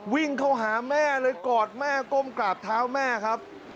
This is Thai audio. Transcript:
วิ่งเข้าหาแม่เลยกอดแม่ก้มกราบเท้าแม่ครับ